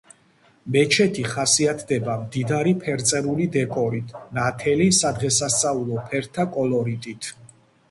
მეჩეთი ხასიათდება მდიდარი ფერწერული დეკორით, ნათელი, სადღესასწაულო ფერთა კოლორიტით.